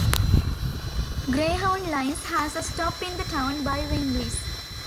Greyhound Lines has a stop in the town, by Wendy's.